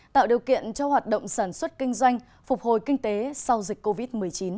tạo điều kiện cho hoạt động sản xuất kinh doanh phục hồi kinh tế sau dịch covid một mươi chín